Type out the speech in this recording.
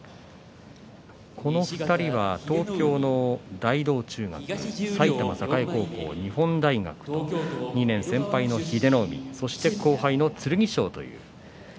この２人は同郷の大道中学、埼玉栄高校日本大学という２年先輩の英乃海そして後輩の剣翔。